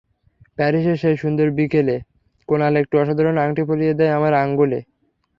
প্যারিসে সেই সুন্দর বিকেলে কুনাল একটি অসাধারণ আংটি পরিয়ে দেয় আমার আঙুলে।